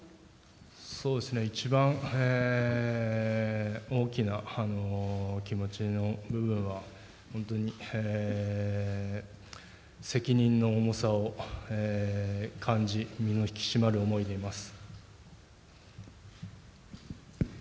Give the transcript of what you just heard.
一番大きな気持ちの部分は、本当に責任の重さを感じ、身の引き締まる思いでいます。